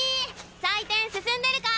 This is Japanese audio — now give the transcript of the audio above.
採点進んでるか？